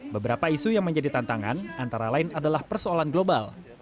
beberapa isu yang menjadi tantangan antara lain adalah persoalan global